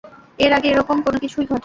এর আগে এরকম কোনও কিছুই ঘটেনি।